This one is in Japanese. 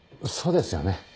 そうですよね。